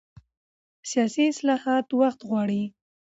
سیاسي اصلاحات وخت غواړي